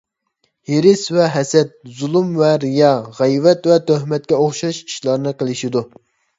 ھېرىس ۋە ھەسەت، زۇلۇم ۋە رىيا، غەيۋەت ۋە تۆھمەتكە ئوخشاش ئىشلارنى قىلىشىدۇ.